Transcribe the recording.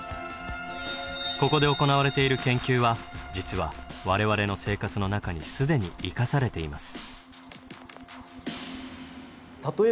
ここで行われている研究は実はわれわれの生活の中に既にいかされています。